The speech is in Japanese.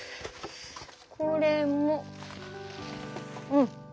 これもうん。